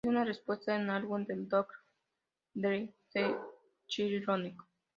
Es una respuesta al álbum de Dr. Dre, The Chronic.